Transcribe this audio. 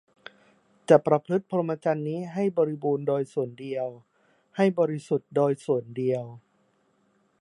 จะประพฤติพรหมจรรย์นี้ให้บริบูรณ์โดยส่วนเดียว ให้บริสุทธิ์โดยส่วนเดียว